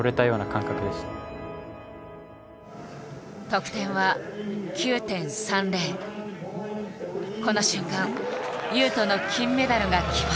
得点はこの瞬間雄斗の金メダルが決まった。